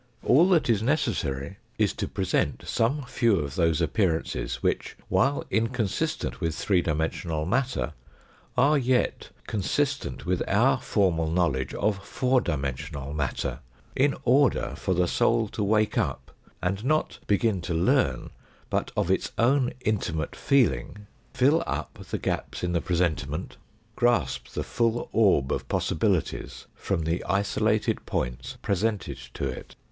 All that is necessary is to present some few of those appearances which, while inconsistent with three dimensional matter, are yet consistent with our formal knowledge of four dimensional matter, in order for the soul to wake up and not begin to learn, but of its own intimate feeling fill up the gaps in the presentiment, grasp the full orb of possi bilities from the isolated points presented to it.